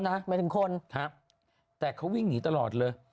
เคยพยายามลองกินแล้วนะแต่เขาวิ่งหนีตลอดเลย